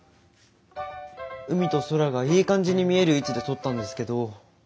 海と空がいい感じに見える位置で撮ったんですけど。